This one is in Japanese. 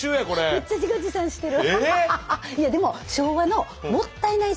むっちゃ自画自賛してる。